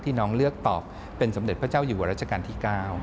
น้องเลือกตอบเป็นสมเด็จพระเจ้าอยู่หัวรัชกาลที่๙